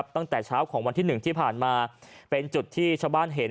ตั้งแต่เช้าของวันที่๑ที่ผ่านมาเป็นจุดที่ชาวบ้านเห็น